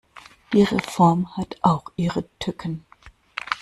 Die Reform hat auch ihre Tücken.